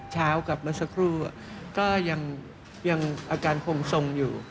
กับเมื่อสักครู่ก็ยังอาการคงทรงอยู่